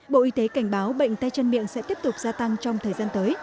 bộ y tế cảnh báo bệnh tay chân miệng sẽ tiếp tục gia tăng trong thời gian tới